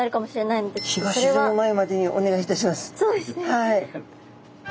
はい。